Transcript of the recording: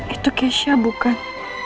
itu kasia bukan